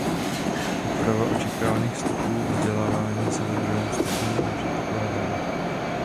Úprava očekávaných výstupů vzdělávání se ve druhém stupni nepředpokládá.